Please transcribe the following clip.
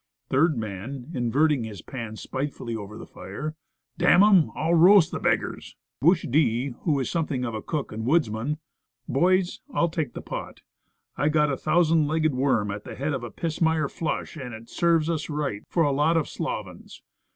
Third Man (inverting his pan spitefully over the fire), "D n 'em, I'll roast the beggars." Bush D. (who is something of a cook and woods man) "Boys, I'll take the pot. I've got a thousand legged worm at the head of a pismire flush, and it serves us right, for a lot of slovens.